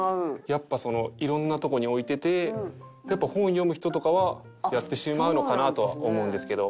やっぱそのいろんなとこに置いててやっぱ本を読む人とかはやってしまうのかなとは思うんですけど。